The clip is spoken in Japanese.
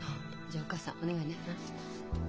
じゃあお母さんお願いね。